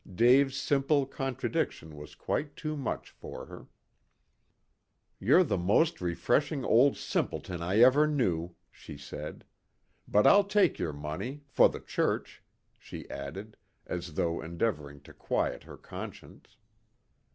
Dave's simple contradiction was quite too much for her. "You're the most refreshing old simpleton I ever knew," she said. "But I'll take your money for the church," she added, as though endeavoring to quiet her conscience.